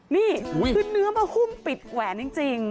นี่คือเนื้อมาหุ้มปิดแหวนจริง